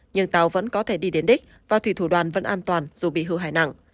nhưng tàu vẫn có thể đi đến đích và thủy thủ đoàn vẫn an toàn dù bị hư hại nặng